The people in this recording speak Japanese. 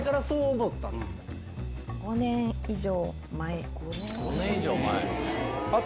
５年以上。